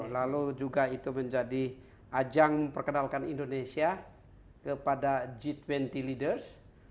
lalu juga itu menjadi ajang memperkenalkan indonesia kepada g dua puluh leaders